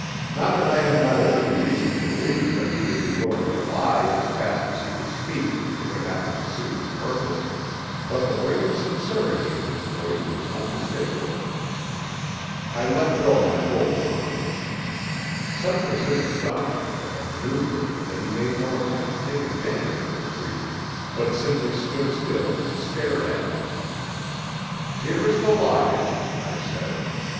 Not that I had not every reason to believe that he would be willing to lie as fast as he could speak if it happened to suit his purpose, but the ring of sincerity in his voice was unmistakable. I let go my hold upon him. Such was his astonishment at the manoeuvre that he made no attempt to take advantage of his freedom, but simply stood still and stared at me. "Here is the locket," I said.